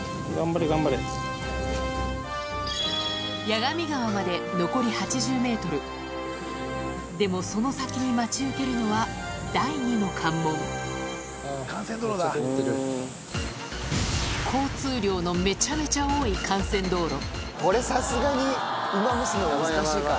矢上川まで残り８０ｍでもその先に待ち受けるのは第二の関門交通量のめちゃめちゃ多いこれさすがにウマ娘も難しいか。